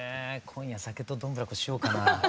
今夜「酒とどんぶらこ」しようかな。